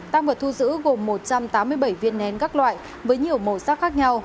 tăng vật thu giữ gồm một trăm tám mươi bảy viên nén các loại với nhiều màu sắc khác nhau